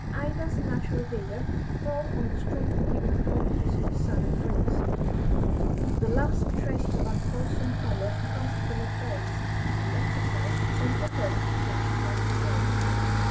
Ida's natural vigour throve on the strength giving properties of sun and breeze the last traces of unwholesome pallor passed from her face, and exercise sent her home flushed like the dawn.